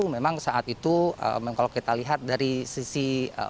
memang saat itu kalau kita lihat dari sisi